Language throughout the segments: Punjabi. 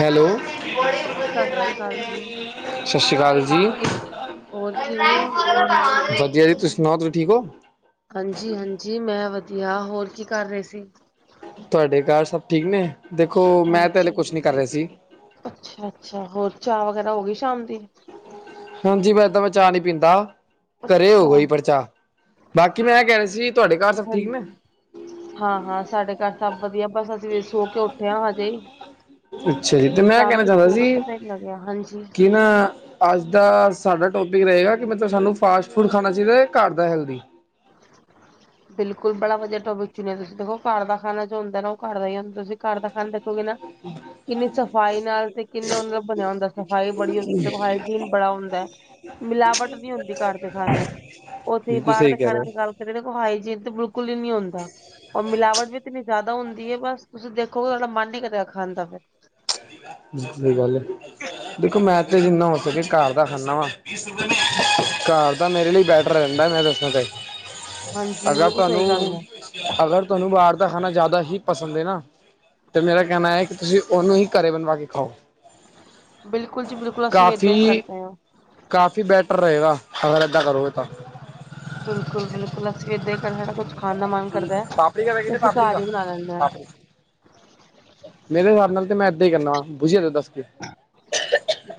ਹੈਲੋ ਸਤਿ ਸ੍ਰੀ ਅਕਾਲ ਜੀ, ਸਤਿ ਸ਼੍ਰੀ ਅਕਾਲ ਜੀ। ਹੋਰ ਕਿਵੇਂ ਹੋ। ਵਧੀਆ ਜੀ ਤੁਸੀਂ ਸੁਣਾਓ ਤੁਸੀਂ ਠੀਕ ਹੋ। ਹਾਂਜੀ ਹਾਂਜੀ ਮੈਂ ਵਧੀਆ ਹੋਰ ਕੀ ਕਰ ਰਹੇ ਸੀ। ਤੁਹਾਡੇ ਘਰ ਸਭ ਠੀਕ ਨੇ ਦੇਖੋ ਮੈਂ ਤੇ ਹਲੇ ਹਾਂਜੀ ਕੁਛ ਨੀ ਕਰ ਹਾਂਜੀ ਰਿਹਾ ਸੀ। ਅੱਛਾ ਅੱਛਾ ਹੋਰ ਚਾਹ ਵਗੈਰਾ ਹੋ ਗਈ ਸ਼ਾਮ ਦੀ। ਹਾਂਜੀ ਮੈਂ ਏਦਾਂ ਮੈਂ ਚਾ ਨਹੀਂ ਪੀਂਦਾ। ਘਰੇ ਹੋ ਅੱਛਾ ਗਈ ਪਰ ਚਾਹ ਬਾਕੀ ਮੈਂ ਇਹ ਕਹਿ ਰਹੇ ਸੀ ਤੁਹਾਡੇ ਘਰ ਸਭ ਠੀਕ ਨੇ। ਹਾਂਜੀ ਹਾਂ ਹਾਂ ਸਾਡੇ ਘਰ ਸਭ ਵਧੀਆ ਬਸ ਅਸੀਂ ਸੋ ਕੇ ਉੱਠੇ ਹ ਹਜੇ। ਅੱਛਾ ਜੀ ਤੇ ਮੈਂ ਕਹਿਣਾ ਸ਼ਾਮੀ ਚਾਹੁੰਦਾ ਸੋ ਗਏ ਸੀ ਪਤਾ ਹੀ ਨੀ ਲੱਗਿਆ, ਹਾਂਜੀ। ਕਿ ਨਾ। ਅੱਜ ਦਾ ਸਾਡਾ ਟੋਪਿਕ ਰਹੇਗਾ ਕਿ ਮਤਲਬ ਸਾਨੂੰ ਫਾਸਟ ਫੂਡ ਖਾਣਾ ਚਾਹੀਦਾ ਘਰ ਦਾ ਹੈਲਦੀ। ਬਿਲਕੁਲ ਬੜਾ ਵਧੀਆ ਟੋਪਿਕ ਚੁਨਿਆ ਤੁਸੀਂ ਦੇਖੋ ਘਰ ਦਾ ਖਾਣਾ ਜੋ ਹੁੰਦਾ ਨਾ ਉਹ ਘਰ ਦਾ ਹੀ ਹੁੰਦਾ। ਤੁਸੀ ਘਰ ਦਾ ਖਾ [unintelligible] ਕਿੰਨੀ ਸਫ਼ਾਈ ਨਾਲ ਤੇ ਕਿੰਨੇ ਬਣਿਆ ਹੁੰਦਾ। ਸਫ਼ਾਈ ਬੜੀ ਹੁੰਦੀ ਹਾਈਜੀਨ ਬੜਾ ਹੁੰਦਾ। ਮਿਲਾਵਟ ਨਹੀਂ ਹੁੰਦੀ ਘਰ ਦੇ ਖਾਣੇ ਉੱਥੇ ਬਿਲਕੁਲ ਬਾਹਰ ਸਹੀ ਦੇ ਕਹਿ ਖਾਣੇ ਦੀ ਰਹੇ ਗੱਲ ਕਰੀਏ। ਉਹ ਹਾਈਜੀਨ ਤੇ ਬਿਲਕੁਲ ਹੀ ਨਹੀਂ ਹੁੰਂਦਾ। ਉਹ ਮਿਲਾਵਟ ਵੀ ੲਤੇਨੀ ਜ਼ਿਆਦਾ ਹੁੰਦੀ ਹੈ ਬਸ ਤੁਸੀਂ ਦੇਖੋਗੇ [unintelligible] ਸਹੀ ਗਲ ਹੈ ਦੇਖੋ ਮੈਂ ਤੇ ਜਿੰਨਾ ਹੋ ਸਕੇ ਘਰ ਦਾ ਖਾਂਦਾ ਵਾ। ਘਰ ਤਾਂ ਮੇਰੇ ਲਈ ਬੈਟਰ ਰਹਿੰਦਾ ਮੈਂ ਦੱਸਣਾ ਚਾਹੀ ਹਾਂਜੀ ਅਗਰ ਬਿਲਕੁਲ ਤੁਹਾਨੂੰ ਸਹੀ ਗੱਲ ਹੈ ਅਗਰ ਤੁਹਾਨੂੰ ਬਾਹਰ ਦਾ ਖਾਣਾ ਜ਼ਿਆਦਾ ਹੀ ਪਸੰਦ ਹੈ ਨਾ ਤੇ ਮੇਰਾ ਕਹਿਣਾ ਹੈ ਕਿ ਤੁਸੀਂ ਉਹਨੂੰ ਹੀ ਘਰੇ ਬਣਵਾ ਕੇ ਖਾਓ। ਬਿਲਕੁਲ ਜੀ ਬਿਲਕੁਲ ਅਸੀਂ ਵੀ ਇਹਦਾਂ ਹੀ ਕਰਦੇ ਹਾਂ। ਕਾਫ਼ੀ ਬੈਟਰ ਰਹੇਗਾ ਅਗਰ ਏਦਾਂ ਕਰੋਗੇ ਤਾਂ ਬਿਲਕੁਲ ਬਿਲਕੁਲ ਅਸੀਂ ਇਦਾਂ ਕਰ ਸਾਡਾ ਕੁਛ ਖਾਣ ਦਾ ਮਨ ਕਰਦਾ ਹੈ ਪਾਪੜੀ ਕਾ ਤੇ ਪੈਕੇਟ ਹੈ ਅਸੀਂ ਪਾਪੜੀ ਘਰ ਕਾ ਹੀ ਬਣਾ ਲੈਂਦੇ ਹਾਂ। ਪਾਪੜੀ ਮੇਰੇ ਹਿਸਾਬ ਨਾਲ ਤੇ ਮੈਂ ਏਦਾਂ ਹੀ ਕਰਨਾ ਵਾ ਬੁਝੀ ਦੱਸ ਕੇ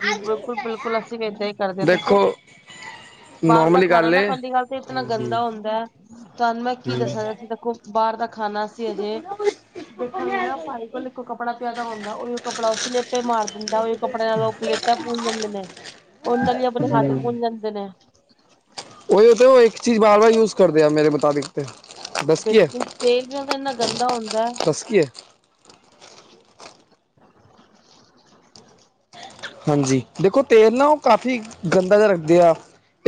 ਜੀ ਬਿਲਕੁਲ ਬਿਲਕੁਲ ਅਸੀਂ ਵੀ ਇੱਦਾਂ ਹੀ ਕਰਦੇ ਦੇਖੋ। ਬਾਹਰ ਦਾ ਨੋਰਮਲੀ ਖਾਣਾ ਗੱਲ ਨਾ ਏ ਪਹਿਲੀ ਗੱਲ ਤੇ ਇਤਨਾ ਗੰਦਾ ਹੁੰਦਾ। ਤੁਹਾਨੂੰ ਮੈਂ ਕੀ ਦੱਸਾਂ ਦੇਖੋ ਬਾਹਰ ਦਾ ਖਾਣਾ ਅਸੀਂ ਅਜੇ ਦੇਖਾਂਗੇ ਨਾ ਭਾਈ ਕੋਲ ਇੱਕ ਕੱਪੜਾ ਪਿਆਦਾ ਹੁੰਦਾ। ਉਹੀ ਕੱਪੜਾ ਉਸ ਉੱਪਰ ਮਾਰ ਦਿੰਦਾ ਉਹੀ ਨਾਲ ਉਹ ਪਲੇਟਾਂ ਪੁੰਨ ਜਾਂਦੇ ਨੇ, ਉਹਨਾਂ ਹੀ ਆਪਣੇ ਹੱਥ ਪੂੰਨ ਜਾਂਦੇ ਨੇ। ਉਹੀ ਉਹ ਇੱਕ ਚੀਜ਼ ਬਾਰ ਬਾਰ ਯੂਜ ਕਰਦੇ ਆ ਮੇਰੇ ਮੁਤਾਬਿਕ। ਦੱਸ ਕਿ ਹੈ ਬਿਲਕੁਲ ਤੇਲ ਵੀ ਉਹਦਾ ਇੰਨਾ ਗੰਦਾ ਹੁੰਦਾ ਦੱਸ ਕਿ ਹੈ। ਹਾਂਜੀ ਦੇਖੋ ਤੇਲ ਨਾ ਉਹ ਕਾਫ਼ੀ ਗੰਦਾ ਜਿਹਾ ਰੱਖਦੇ ਆ।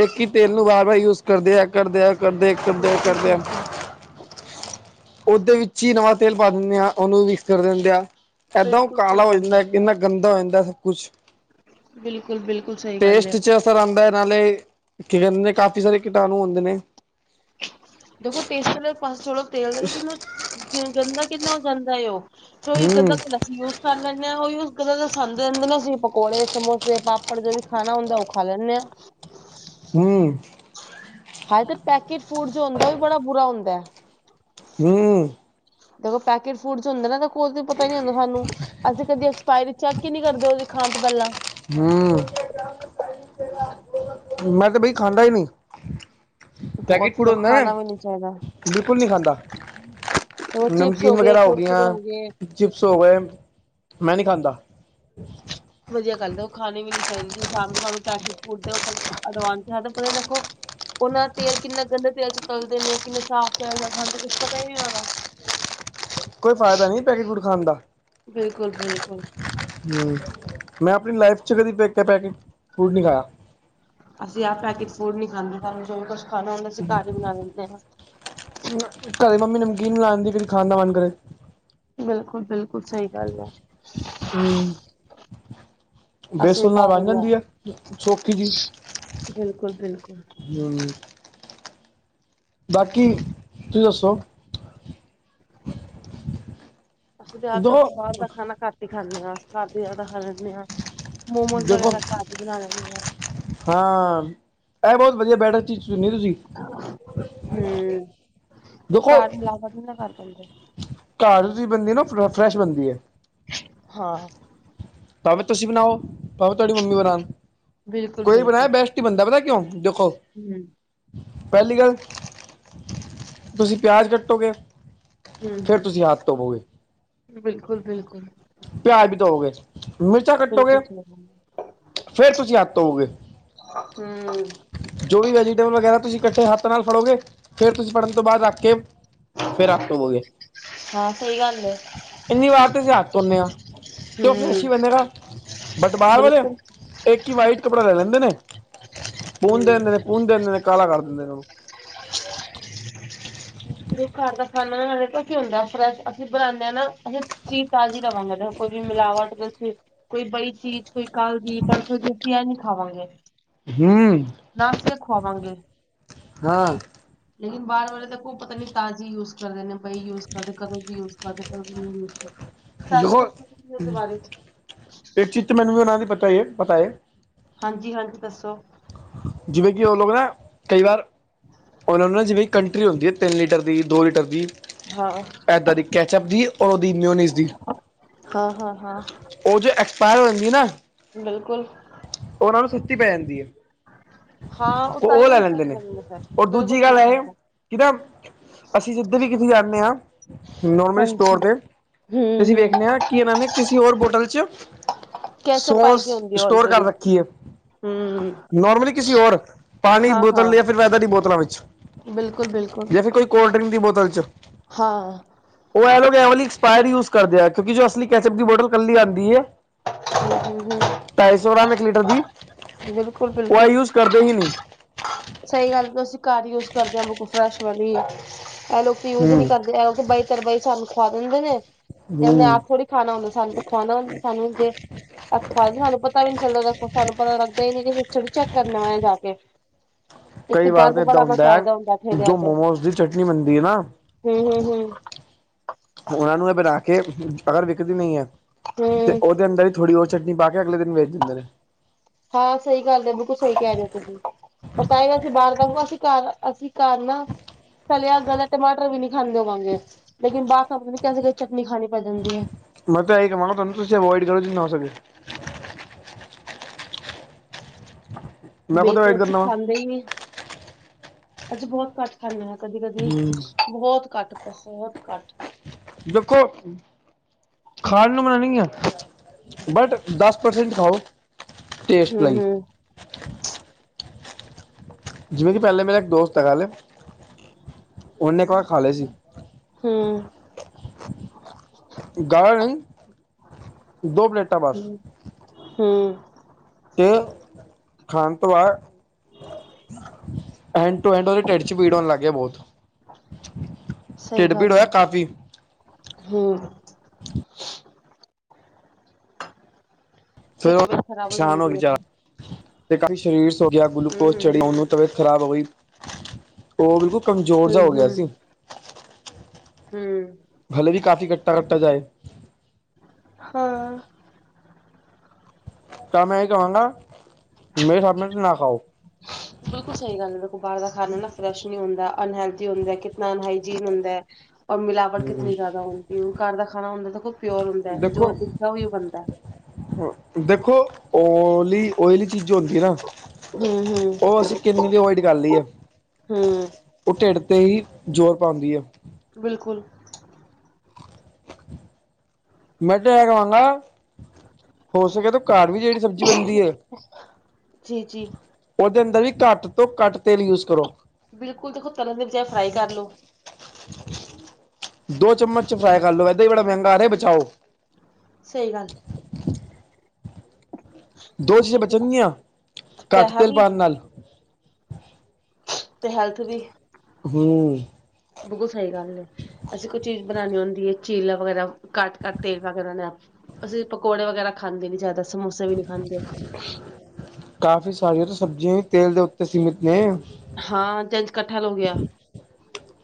ਇੱਕ ਹੀ ਤੇਲ ਨੂੰ ਵਾਰ ਵਾਰ ਯੂਜ ਕਰਦੇ ਆ ਕਰਦੇ ਆਂ ਕਰਦੇ ਕਰਦੇ ਕਰਦੇ ਆ। ਬਿਲਕੁਲ ਉਹਦੇ ਵਿੱਚ ਹੀ ਨਵਾਂ ਤੇਲ ਪਾ ਦਿੰਦੇ ਆ ਉਹਨੂੰ ਮਿਕਸ ਕਰ ਦਿੰਦੇ ਆ। ਇਦਾਂ ਉਹ ਬਿਲਕੁਲ ਬਿਲਕੁਲ ਕਾਲਾ ਸਹੀ ਹੋ ਗੱਲ ਜਾਂਦਾ ਹੈ ਕਿੰਨਾ ਗੰਦਾ ਹੋ ਜਾਂਦਾ। ਸਭ ਕੁਛ ਬਿਲਕੁਲ ਬਿਲਕੁਲ ਸਹੀ ਗੱਲ ਹੈ। ਟੇਸਟ ਚ ਆਉਂਦਾ ਹੈ ਨਾਲੇ ਕਹਿੰਦੇ ਨੇ ਕਾਫੀ ਸਾਰੇ ਕੀਟਾਣੂ ਹੁੰਦੇ ਨੇ। ਦੇਖੋ ਟੇਸਟ ਵਾਲ ਪਾਸ ਤੇਲ ਦਾ ਲੇਕਿਨ ਕਿਵੇਂ ਗੰਦਾ ਕਿੰਨਾ ਹੋ ਜਾਂਦਾ। ਉਹ ਫਿਰ ਉਹੀ ਹਮ ਗੰਦਾ ਤੇ ਲੱਸੀ ਉਸ ਖਾ ਲੈਂਦੇ ਹਾਂ ਉਹੀ ਉਸ ਗੱਲ ਦਾ ਸਦ ਰਿੰਦੇ ਨਾ ਅਸੀਂ ਪਕੌੜੇ ਸਮੋਸੇ ਪਾਪੜ ਜੋ ਵੀ ਖਾਣਾ ਹੁੰਦਾ ਉਹ ਖਾ ਲੈਂਦੇ ਹਾਂ। [unintelligible] ਹੂੰ,,, ਹਾਏ ਤੇ ਪੈਕੇਟ ਫੂਡ ਜੋ ਹੁੰਦਾ ਵੀ ਬੜਾ ਬੁਰਾ ਹੁੰਦਾ। ਹੂੰ,,, ਦੇਖੋ ਪੈਕਟ ਫੂਡ ਹੁੰਦਾ ਨਾ ਕੋਈ ਪਤਾ ਨੀ ਹੁੰਦਾ ਸਾਨੂੰ। ਅਸੀਂ ਕਦੇ ਐਕਸਪ ਚੈੱਕ ਚੈੱਕ ਨੀ ਕਰਦੇ ਉਦੇ ਖਾਣ ਤੋਂ ਪਹਿਲਾਂ। ਹੂੰ ਮੈਂ ਤੇ ਬਈ ਖਾਂਦਾ ਹੀ ਨੀ। ਪੈਕਟ ਬਹੁਤ ਫਰੰਦਾ ਖਾਣਾ ਵੀ ਨੀ ਚਾਹੀਦਾ ਬਿਲਕੁਲ ਨਹੀਂ ਖਾਂਦਾ। ਉਹ ਚਿਪਸ ਨਮਕੀਨ ਗਏ ਵਗੈਰਾ ਹੋ ਗਈਆਂ। ਕੁਰਕੁਰੇ ਗਏ ਚਿਪਸ ਹੋ ਗਏ, ਮੈਂ ਨਹੀਂ ਖਾਂਦਾ। ਵਧੀਆ ਗੱਲ ਆ ਉਹ ਖਾਣੀ ਵੀ ਨੀ ਚਾਹੀਦੀ ਸ਼ਾਮੀ ਸਾਨੂੰ ਪੈਕਟ ਮੋਟੇ ਉੱਪਰ ਅਡਵਾਂਚ ਹੈ ਤੇ ਉੱਪਰ ਦੇਖੋ। ਉਹਨਾਂ ਤੇਲ ਕਿੰਨਾ ਗੰਦੇ ਤੇਲ ਚ ਤਲਦੇ ਨੇ ਕਿੰਨੇ ਸਾਫ਼ ਤੇਲ ਸਾਨੂੰ ਕੁਛ ਪਤਾ ਹੀ ਨੀ ਲੱਗਦਾ। [inaudible] ਕੋਈ ਫਾਇਦਾ ਨਹੀਂ ਪੈਕੇਟ ਫੂਡ ਖਾਣ ਦਾ। ਬਿਲਕੁਲ ਬਿਲਕੁਲ ਮੈਂ ਆਪਣੀ ਲਾਈਫ 'ਚ ਕਦੇ ਨਹੀਂ ਪੈਕੇਟ ਫੂਡ ਨਹੀਂ ਖਾਇਆ। ਅਸੀਂ ਆਹ ਪੈਕੇਟ ਫੂਡ ਨੀ ਖਾਂਦੇ। ਸਾਨੂੰ ਜੋ ਵੀ ਕੁਛ ਖਾਣਾ ਹੁੰਦਾ ਅਸੀਂ ਘਰ ਹੀ ਬਣਾ ਲਿੰਦੇ ਹਾਂ। ਘਰੇ ਮੰਮੀ ਨਮਕੀਨ ਬਣਾ ਦੀ ਫਿਰ ਖਾਣ ਦਾ ਮਨ ਕਰੇ। ਬਿਲਕੁਲ ਬਿਲਕੁਲ ਸਹੀ ਗੱਲ ਹੈ। ਹੂੰ,,, ਅਸੀਂ ਵੇਸਣ ਨਾਲ ਘਰ ਹੀ ਲਾਲ ਬਣਾ ਜਾਂਦੀ ਹੈ ਸੋਖੀ ਜਿਹੀ ਬਿਲਕੁਲ ਬਿਲਕੁਲ ਹੂੰ ਬਾਕੀ ਤੁਸੀਂ ਦੱਸੋ [inaudible] ਅਸੀਂ ਤਾਂ ਆਪ ਦੋ ਦੇਖੋ ਬਾਹਰ ਦਾ ਖਾਣਾ ਘੱਟ ਹੀ ਖਾਂਦੇ ਹਾਂ ਘਰ ਦੇ ਜ਼ਿਆਦਾ ਖਾਣਾ ਪੀਣਾ ਮੋਮੋਜ਼ ਦੇਖੋ ਵਗੈਰਾ ਘਰ ਹੀ ਬਣਾ ਲੈਂਦੀ ਹਾਂ ਇਹ ਬਹੁਤ ਵਧੀਆ ਬੈਟਰ ਚੀਜ਼ ਚੁੰਨੀ ਤੁਸੀਂ ਹੂੰ ਉਹ ਦੇਖੋ ਘਰ ਮਿਲਾਵਟ ਨੀ ਪਾਨ ਦਿੰਦੇ ਘਰ ਦੀ ਬਣਦੀ ਫਰੈਸ਼ ਬਣਦੀ ਹੈ। ਹਾਂ। ਭਾਵੇਂ ਤੁਸੀਂ ਬਣਾਓ, ਭਾਵੇਂ ਤੁਹਾਡੀ ਮੰਮੀ ਬਣਾਣ। ਬਿਲਕੁਲ ਕੋਈ ਬਣਾਏ ਬਿਲਕੁਲ। ਬੈਸਟ ਈ ਬਣਦਾ, ਪਤਾ ਕਿਉਂ ਦੇਖੋ। ਹੂੰ ਪਹਿਲੀ ਗੱਲ, ਤੁਸੀ ਪਿਆਜ ਕੱਟੋਗੇ ਫੇਰ ਤੁਸੀਂ ਹੱਥ ਧੋ ਬੋਗੇ। ਬਿਲਕੁਲ-ਬਿਲਕੁਲ। ਪਿਆਜ ਵੀ ਧੋਵੋਗੇ, ਮਿਰਚਾਂ ਕੱਟੋਗੇ ਬਿਲਕੁਲ ਹੂੰ ਫੇਰ ਤੁਸੀਂ ਹੱਥ ਧੋਓਗੇ। ਹੂੰ ਜੋ ਵੀ ਵੈਜੀਟੇਬਲ ਵਗੈਰਾ ਤੁਸੀਂ ਕੱਟੇ ਹੱਥ ਨਾਲ ਫੜੋਗੇ, ਫਿਰ ਤੁਸੀਂ ਫੜਨ ਤੋਂ ਬਾਅਦ ਰੱਖਕੇ ਫੇਰ ਹੱਥ ਧੋਬੋਗੇ, ਹਾਂ ਸਹੀ ਗੱਲ ਏ ਇੰਨੀ ਵਾਰ ਤੁਸੀ ਹੱਥ ਧੋਨੇ ਆ। ਤੇ ਉਹ ਫ੍ਰੇਸ਼ ਹੂੰ ਬੰਨੇਗਾ, ਬਟ ਬਾਹਰ ਵਾਲੇ ਬਿਲਕੁਲ। ਇੱਕ ਈ ਵਾਈਟ ਕੱਪੜਾ ਲੈ ਲੈਂਦੇ ਨੇ, ਹੂੰ ਪੂੰਝ ਦਿੰਦੇ ਨੇ, ਪੂੰਜ ਦਿੰਦੇ ਨੇ, ਕਾਲਾ ਕਰ ਦਿੰਦੇ ਨੇ ਓ। ਜੋ ਘਰ ਦਾ ਖਾਨਾ ਨਾਲ ਪਤਾ ਕੀ ਹੁੰਦੈ, ਫਰੈਸ਼ ਅਸੀਂ ਬਣਾਂਨੇ ਆ ਨਾ, ਅਸੀਂ ਚੀਜ਼ ਤਾਜ਼ੀ ਲਵਾਂਗੇ ਨਾ, ਕੋਈ ਵੀ ਮਿਲਾਵਟ ਤੁਸੀਂ ਕੋਈ ਬਈ ਚੀਜ਼ ਕੋਈ ਕੱਲ ਦੀ, ਪਰਸੋਂ ਦੀ ਅਸੀਂ ਐ ਨੀ ਖਾਵਾਂਗੇ। ਹੂੰ ਤਾਸੀਆ ਖਵਾਵਾਂਗੇ। ਹਾਂ ਲੇਕਿਨ ਬਾਹਰ ਵਾਲੇ ਤਾਂ ਕੋਈ ਪਤਾ ਨੀ ਤਾਜ਼ੀ ਯੂਜ ਕਰਦੇ ਨੇ, ਬਈ ਯੂਜ ਕਰਦੇ ਕਦੋਂ ਕੀ ਯੂਜ ਕਦੇ ਨਹੀਂ ਯੂਜ ਕਰਦੇ। ਸਾਨੂੰ ਤਾਂ ਦੇਖੋ, ਕੁਛ ਪਤਾ ਨੀ ਇਸਦੇ ਬਾਰੇ ਚ ਇੱਕ ਚੀਜ਼ ਤਾਂ ਮੈਨੂੰ ਵੀ ਉਹਨਾਂ ਦੀ ਪਤਾ ਈ ਐ, ਪਤਾ ਏ। ਹਾਂਜੀ-ਹਾਂਜੀ, ਦੱਸੋ? ਜਿਵੇਂ ਕਿ ਉਹ ਲੋਕ ਨਾ, ਕਈ ਵਾਰ, ਉਹ ਨਾ ਜਿਵੇਂ ਕਿ ਕੰ ਟ੍ਰੀ ਹੁੰਦੀ ਏ, ਤਿੰਨ ਲੀਟਰ ਦੀ, ਦੋ ਲੀਟਰ ਦੀ। ਹਾਂ ਐਦਾਂ ਦੀ ਕੈਚਅਪ ਦੀ, ਔਰ ਉਹਦੀ ਮਿਊਨਿਜ ਦੀ। ਹਾਂ ਹਾਂ ਹਾਂ ਉਹ ਜੋ, ਐਕਸਪਾਇਰ ਹੋ ਜਾਂਦੀ ਦੀ ਨਾ ਬਿਲਕੁਲ। ਉਹਨਾਂ ਨੂੰ ਸੁਸਤੀ ਪੈ ਜਾਂਦੀ ਏ। ਹਾਂ ਉਹ ਉਹ ਤਾਂਹੀਓ ਲੈ ਹੀ ਲੈਂਦੇ ਚੁੱਕ ਨੇ, ਜਾਂਦੇ ਫਿਰ ਔਰ ਬਿਲਕੁਲ ਦੂਜੀ ਸਹੀ ਗੱਲ ਐ ਹੈ ਕਿ ਨਾ ਅਸੀਂ ਜਿੱਧਰ ਵੀ ਕਿਤੇ ਜਾਂਨੇ ਆ, ਨੋਰਮਲੀ ਸਟੋਰ ਹਾਂਜੀ ਤੇ, ਤੇ ਹਮ ਅਸੀਂ ਹਮ ਵੇਖਨੇ ਆ ਕੀ ਇਹਨਾਂ ਨੇ, ਕਿਸੇ ਓਰ ਬੋਟਲ 'ਚ ਕੈਚਅਪ ਪਾਈ ਸੌਸ ਦੀ ਹੁੰਦੀ ਹੈ ਸਟੋਰ ਕਰ ਆਲਰੇਡੀ ਰੱਖੀਏ, ਹਮ ਨੌਰਮਲੀ ਕਿਸੇ ਓਰ, ਪਾਣੀ ਹਾਂ ਬੋਤਲ ਹਾਂ ਜਾਂ ਫਿਰ ਵੈਦਰ ਦੀ ਬੋਤਲਾਂ ਵਿੱਚ, ਬਿਲਕੁਲ ਬਿਲਕੁਲ ਯਾ ਫਿਰ ਕੋਈ ਕੋਲਡ ਡਰਿੰਕ ਦੀ ਬੋਤਲ 'ਚ। ਹਾਂ। ਓਹ ਐ ਲੋਗ ਐ ਵਾਲੀ ਏਕਸਪਾਇਰ ਯੂਜ ਕਰਦੇ ਆ, ਕਿਉਂਕਿ ਜੋ ਅਸਲੀ ਕੈਚਅਪ ਦੀ ਬੋਟਲ ਕੱਲੀ ਆਂਦੀ ਏ ਹੂੰ, ਹੂੰ, ਢਾਈ ਸੌ ਗ੍ਰਾਮ ਇੱਕ ਲੀਟਰ ਦੀ, ਹੂੰ, ਬਿਲਕੁਲ ਉਹ ਐ ਬਿਲਕੁਲ ਯੂਜ ਕਰਦੇ ਹੀ ਨਹੀਂ। ਸਹੀ ਗੱਲ, ਅਸੀਂ ਘਰ ਯੂਜ ਕਰਦੇ ਹਾਂ ਬਿਲਕਲ ਫਰੈਸ਼ ਵਾਲੀ, ਐ ਲੋਕ ਯੂਜ ਈ ਨਹੀਂ ਹੂੰ ਕਰਦੇ, ਐ ਓ ਕਿ ਬਈ-ਤਰਬਈ ਸਾਨੂੰ ਖਵਾ ਦਿੰਦੇ ਨੇ। ਕਹਿੰਦੇ ਹੂੰ ਆਪ ਥੋੜੀ ਖਾਣਾ ਹੁੰਦਾ, ਸਾੰਨ ਤੇ ਖਵਾਣਾ ਹੁੰਦੇ ਸਾੰਨੁ ਜੇ ਅੋ ਸਾਨੂੰ ਪਤਾ ਵੀ ਨੀ ਚੱਲਦਾ ਦੇਖੋ, ਸਾਨੂੰ ਪਤਾ ਲੱਗਦਾ ਈ ਨੀ ਪਿੱਛੇ ਵੀ ਚੈੱਕ ਕਰਨਾ ਵੇ ਜਾਕੇ। ਇਥੇ ਕਈ ਵਾਰ ਗੰਦ ਤਾਂ ਏਦਾਂ ਬੜਾ ਮਚਾਇਦਾ ਹੁੰਦਾ ਹੈ ਜੋ ਠੇਲਿਆਂ'ਚ, ਮੋਮੋਸ ਦੀ ਚਟਨੀ ਬਣਦੀ ਹੈ ਨਾ ਹੂੰ-ਹੂੰ-ਹੂੰ। ਉਹਨਾਂ ਨੂੰ ਇਹ ਬਣਾਕੇ, ਅਗਰ ਵਿਕਦੀ ਨਹੀਂ ਏ, ਤੇ ਹੂੰ ਉਹਦੇ ਅੰਦਰ ਥੋੜੀ ਓ ਚਟਨੀ ਪਾਕੇ, ਅਗਲੇ ਦਿਨ ਵੇਚ ਦਿੰਦੇ ਨੇ। ਹਾਂ ਸਹੀ ਗੱਲ ਏ, ਬਿਲਕੁਲ ਸਹੀ ਕਹਿ ਰਹੇ ਓ ਤੁਸੀ। ਤਾਈ ਅਸੀਂ ਬਾਹਰ ਦਾ, ਅਸੀਂ ਘਰ, ਅਸੀਂ ਘਰ ਨਾ ਸਡਿਆ ਗਲਿਆ ਟਮਾਟਰ ਵੀ ਨੀਂ ਖਾਂਦੇ ਹੋਵਾਂਗੇ, ਲੇਕਿਨ ਬਾਰ [unintelligible] ਕੈਸੀ-ਕੈਸੀ ਚਟਨੀ ਖਾਣੀ ਪੈ ਜਾਂਦੀ ਐ। ਮੈਂ ਤਾਂ ਏ ਈ ਕਵਾਂਗਾ ਤਾਨੂੰ ਤੁਸੀ ਐਵੋਇਡ ਕਰੋ ਜਿਨ੍ਹਾਂ ਹੋ ਸਕੇ। ਮੈਂ ਖੁਦ ਬਿਲਕੁਲ, ਅਵੋਇਡ ਅਸੀਂ ਕਰਨਾ ਵਾ ਖਾਂਦੇ ਈ ਨੀ, ਅੱਜ ਬੋਤ ਘੱਟ ਖਾਂਣੇ ਆਂ ਕਦੀ-ਕਦੀ ਹਮ ਬਹੁਤ ਘੱਟ ਬਹੁਤ ਘੱਟ ਦੇਖੋ, ਖਾਣ ਨੂੰ ਮਣਾਂ ਨਈਂ ਐਂ। ਬਟ ਦਸ ਪਰਸੈਂਟ ਖਾਓ। ਟੇਸਟ ਲਈ ਹਂ। ਜਿਵੇਂ ਕਿ ਪਹਿਲੇ ਮੇਰਾ ਇੱਕ ਦੋਸਤ ਹੈਗਾ ਨਾਂ ਓਨੇਂ ਇੱਕ ਵਾਰ ਖਾਲੇ ਸੀ। ਹੂੰ ਜਿਆਦਾ ਨਈਂ ਦੋ ਪਲੇਟਾਂ ਬਸ। ਹਂ। ਤੇ ਖਾਣ ਤੋਂ ਬਾਦ ਐਂਡ ਟੂ ਐਂਡ ਓਦੇ ਢਿੱਡ ਚ ਪੀੜ ਹੋਣ ਲੱਗ ਗੀ ਬੋਤ ਸਈ ਗੱਲ ਹੋਇਆ ਐ। ਕਾਫੀ ਹਂ। ਫਿਰ ਤਬੀ ਖਰਾਬ ਹੋ ਜਾਂਦੀ ਅਪਣੀ। ਕਾਫ਼ੀ ਸਰੀਰ ਸੋਅ ਗਿਆ, ਗਲੂਕੋਜ ਚੜਨਾਂ ਹੂੰ-ਹੂੰ-ਹੂੰ ਓਨੂੰ ਤਬੀਅਤ ਖਰਾਬ ਹੋ ਗਈ। ਓ ਬਿਲਕੁਲ ਕਮਜ਼ੋਰ ਜਿਆ ਹੋ ਗਿਆ ਸੀ, ਹੂੰ-ਹੂੰ-ਹੂੰ ਹਲੇ ਕਿ ਕਾਫੀ ਕੱਟਾ-ਕੱਟਾ ਜੇਆ ਹੀ। ਹਾਂ। ਤਾਂ ਮੈਂ ਕਵਾਂਗਾ, ਮੇਰੇ ਸਾਬਨਾ ਤੇ ਨਾਂ ਖਾਓ। ਬਿਲਕੁਲ ਸਈ ਗੱਲ ਐ, ਬਾਰ ਦਾ ਖਾਨਾ ਫਰੈਸ਼ ਨੀਂ ਹੁੰਦਾ ਅਨਹੇਲਦੀ ਹੁੰਦਾ, ਕਿਤਨਾ ਅਨਹਾਈਜੀਨ ਹੁੰਦਾ ਐ। ਔਰ ਮਿਲਾਵਟ ਕਿਤਨੀ ਜ਼ਿਆਦਾ ਹੁੰਦੀ, ਘਰ ਦਾ ਖਾਣਾ ਹੁੰਦਾ ਦੇਖੋ ਪਿਓਰ ਹੁੰਦਾ ਐ, ਜੋ ਦੇਖੋ ਦਿਖਦਾ ਓਹੀ ਬਣਦਾ। ਦੇਖੋ, ਓਲੀ ਓਇਲੀ ਚੀਜ਼ ਹੁੰਦੀ ਨਾਂ ਹੂੰ-ਹੂੰ-ਹੂੰ ਓ ਅਸੀਂ ਕਿੰਨੀ ਦੀ ਅਵਾਇਡ ਕਰ ਲਈਏ ਓ ਢਿੱਡ ਤੇ ਹੀ ਜ਼ੋਰ ਪਾਉਂਦੀ ਐ। ਬਿਲਕੁਲ ਮੈ ਤੇ ਏ ਕਵਾਂਗਾ ਹੋ ਸਕੇ ਤੇ ਘਰ ਵੀ ਜੇੜੀ ਸਬਜ਼ੀ ਬਣਦੀ ਐ ਜੀ-ਜੀ ਓਦੇ ਅੰਦਰ ਵੀ ਘੱਟ ਤੋਂ ਘੱਟ ਤੇਲ ਯੂਜ਼ ਕਰੋ। ਬਿਲਕੁਲ ਦੇਖੋ, ਤਰਨ ਦੇ ਬਜਾਏ ਫਰਾਈ ਕਰ ਲੋ। ਦੋ ਚਮਚ ਚ ਫਰਾਈ ਕਰ ਲੋ, ਇੱਦਾਂ ਈ ਬੜਾ ਮਹਿੰਗਾ ਆ ਰਿਆ ਬਚਾਓ। ਸਈ ਗੱਲ ਐ। ਦੋ ਚੀਜ਼ਾਂ ਤੇ ਬਚਣਗੀਆਂ, ਘੱਟ ਪੈਹਾ ਤੇਲ ਵੀ ਪਾਣ ਨਾਲ ਤੇ ਹੈਲਥ ਵੀ। ਹਂ। ਬਿਲਕੁਲ ਸਈ ਗੱਲ ਐ। ਅਸੀਂ ਕੋਈ ਚੀਜ਼ ਬਣਾਣੀ ਹੁੰਦੀ ਐ, ਚੀਲਾ ਵਗੈਰਾ ਘੱਟ-ਘੱਟ ਤੇਲ ਵਗੈਰਾ ਨਾਂ। ਅਸੀਂ ਪਕੌੜੇ ਵਗੈਰਾ ਖਾਂਦੇ ਨੀ ਜਿਆਦਾ, ਸਮੋਸੇ ਵੀ ਨੀਂ ਖਾਂਦੇ। ਕਾਫੀ ਸਾਰੀਆਂ ਤੇ ਸਬਜ਼ੀਆਂ ਵੀ ਤੇਲ ਦੇ ਉੱਤੇ ਸੀਮਿਤ ਨੇ। ਹਾਂ, ਜੇੰਜ ਕੱਠਹਲ ਹੋ ਗਿਆ।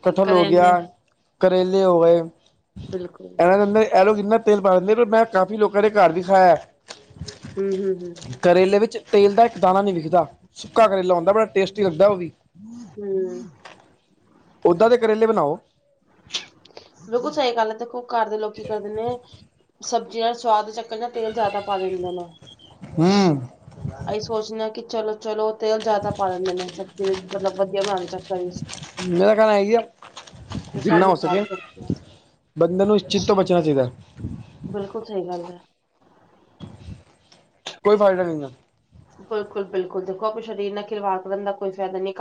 ਕਠਹਲ ਹੋ ਗਿਆ, ਕਰੇਲੇ ਕਰੇਲੇ ਹੋ ਗਏ, ਬਿਲਕੁਲ ਇਨ੍ਹਾਂ ਦੇ ਮੇਂ ਐਲੋਕ ਇੰਨਾਂ ਤੇਲ ਪਾ ਦਿੰਦੇ, ਰੇ ਮੈਂ ਕਾਫ਼ੀ ਲੋਕਾਂ ਦੇ ਘਰ ਵੀ ਖਾਇਆ। ਹਂ। ਕਰੇਲੇ ਵਿੱਚ ਤੇਲ ਦਾ ਇੱਕ ਦਾਣਾ ਨੀਂ ਵਿਖਦਾ, ਸੁੱਕਾ ਕਰੇਲਾ ਹੁੰਦਾ ਬੜਾ ਟੇਸਟੀ ਲੱਗਦਾ ਓਵੀ। ਹਂ। ਉਦਾਂ ਦੇ ਕਰੇਲੇ ਬਣਾਓ ਬਿਲਕੁਲ ਸਹੀ ਗੱਲ ਹੈ ਦੇਖੋ ਘਰ ਦੇ ਲੋਕੀ ਕਰਦੇ ਨੇ ਸ [unintelligible] ਹਮ ਅਸੀਂ ਸੋਚਦੇ ਹਾਂ ਕਿ ਚਲੋ ਚਲੋ ਤੇਲ ਜ਼ਿਆਦਾ ਪਾ ਲੈਂਦੇ ਨੇ ਸਬਜ਼ੀ ਮਤਲਬ ਵਧੀਆ ਬਣਾਨ ਚ [unintelligible] ਮੇਰਾ ਕਹਿਣਾ ਆ ਹੀ ਆ ਜੋ ਸਾਨੂੰ ਜਿੰਨਾ ਹੋ ਸਕੇ ਨੁਕਸਾਨ ਕਰਦੀਆਂ ਬੰਦੇ ਨੂੰ ਇਸ ਚਿਤ ਤੋਂ ਬਚਣਾ ਚਾਹੀਦਾ ਬਿਲਕੁਲ ਸਹੀ ਗੱਲ ਹੈ ਕੋਈ ਫਾਇਦਾ ਨਹੀਂ ਬਿਲਕੁਲ ਬਿਲਕੁਲ ਦੇਖੋ ਆਪਣੇ ਸਰੀਰ ਨਾਲ ਖਿਲਵਾੜ ਕਰਨ ਦਾ ਕੋਈ ਫਾਇਦਾ ਨਹੀਂ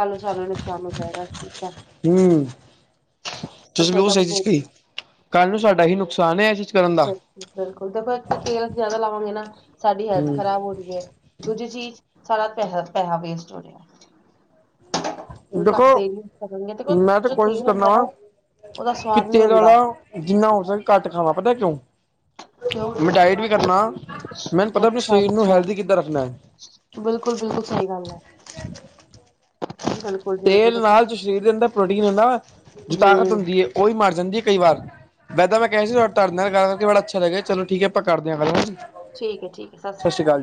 ਹੂੰ [unintelligible] ਕੱਲ੍ਹ ਨੂੰ ਸਾਡਾ ਇ ਨੁਕਸਾਨ ਹੈ ਇਸ ਚੀ ਬਿਲਕੁਲ ਬਿਲਕੁਲ ਦੇਖੋ ਇੱਕ ਤਾਂ ਤੇਲ ਜਿਆਦਾ ਲਾਵਾਂਗੇ ਨਾ ਸਾਡੀ ਹੈਲਥ ਹੂੰ ਖ਼ਰਾਬ ਹੋ ਰਈ ਹੈ ਦੂਜੀ ਚੀਜ਼ ਸਾਡਾ ਪੈਸਾ ਪੈਸਾ ਵੇਸਟ ਹੋ ਰਿਹਾ ਉਹ ਘੱਟ ਦੇਖੋ ਤੇਲ ਯੂਜ ਕਰਾਂਗੇ ਤੇ ਮੈਂ ਤਾਂ ਜੋ ਕੋਸ਼ਿਸ਼ ਤੇਲ ਕਰਨ ਹੁੰਦਾ ਨਾ ਵਾਂ ਉਹਦਾ ਕਿ ਸਵਾਦ ਨਹੀਂ ਤੇਲ ਹੁੰਦਾ ਵਾਲਾ ਜਿੰਨਾ ਹੋ ਸਕਗਾ ਘੱਟ ਖਾਵਾਂ ਪਤਾ ਕਿਉਂ ਕਿਉਂ ਮੈਂ ਡਾਇਟ ਵੀ ਕਰਨਾ ਮੈਨੂੰ ਪਤਾ ਆਪਣੇ ਅੱਛਾ ਸਰੀਰ ਨੂੰ ਅੱਛਾ ਹੈਲਦੀ ਕਿੱਦਾਂ ਰੱਖਣਾ ਹੈ ਬਿਲਕੁਲ ਬਿਲਕੁਲ ਸਹੀ ਗੱਲ ਹੈ ਬਿਲਕੁਲ ਜੀ ਬਿਲਕੁਲ ਤੇਲ ਦੇਖੋ ਨਾਲ ਜੋ ਸਰੀਰ ਦੇ ਅੰਦਰ ਪ੍ਰੋਟੀਨਦਾ ਜੋ ਤਾਕਤ ਹੂੰ ਹੁੰਦੀ ਹੈ ਉਹੀ ਮਰ ਜਾਂਦੀ ਹੈ ਕਈ ਵਾਰ ਬੈਂਦਾ ਮੈਂ ਕਿਹਾ ਸੀ ਤਾਡੇ ਨਾਲ ਗੱਲ ਕਰਕੇ ਬੜਾ ਅੱਛਾ ਲੱਗਿਆ ਚਲੋ ਠੀਕ ਆਪਾ ਕਰਦੇ ਹਾਂ ਹਲ ਹੁਣ ਜੀ ਠੀਕ ਹੈ ਠੀਕ ਹੈ ਸਤਿ ਸ੍ਰੀ ਕਾਲ